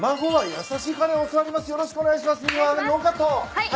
はい。